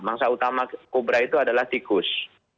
mangsa utama kobra itu adalah tikus